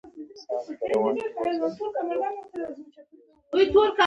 ایمان هغه وسیله او هغه کیمیاوي عنصر دی